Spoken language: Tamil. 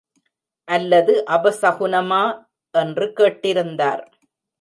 அல்லது அபசகுனமா? என்று கேட்டிருந்தார்.